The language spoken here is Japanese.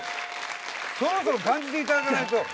そろそろ感じていただかないと。